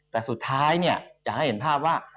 แต่สุดท้ายเนี่ยอยากให้เห็นภาพว่า